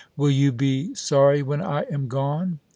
" Will you be sorry when I am gone